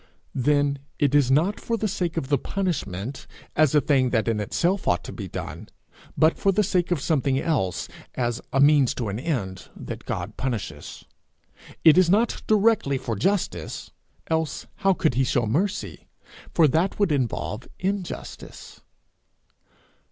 Then it is not for the sake of the punishment, as a thing that in itself ought to be done, but for the sake of something else, as a means to an end, that God punishes. It is not directly for justice, else how could he show mercy, for that would involve injustice?